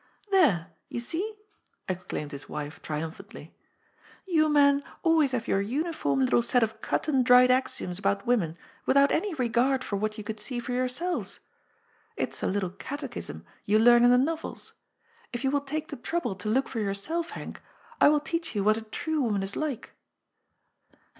"There, you see!" exclaimed his wife triumphantly. " You men always have your uniform little set of cut and dried axioms about women, without any regard for what you could see for yourselves. It's a little catechism you learn in the novels. If you will take the trouble to look for yourself, Henk, I will teach you what a true woman is like."